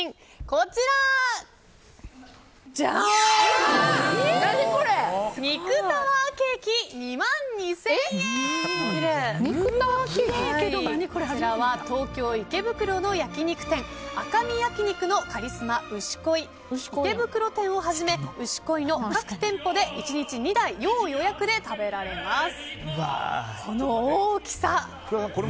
こちらは東京・池袋の焼き肉店赤身焼肉のカリスマ牛恋池袋店をはじめ牛恋の各店舗で１日２台要予約で食べられます。